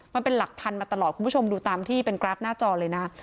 มันเป็นหลักพันมาตลอดคุณผู้ชมดูตามที่เป็นกราฟหน้าจอเลยนะ